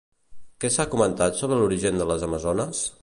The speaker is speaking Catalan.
Què es comenta sobre l'origen de les amazones?